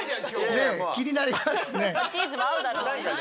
ねえ気になりますね。